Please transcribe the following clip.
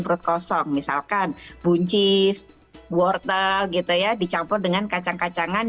perut kosong misalkan buncis wortel gitu ya dicampur dengan kacang kacangan